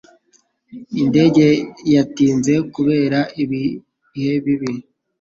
Indege yatinze kubera ibihe bibi.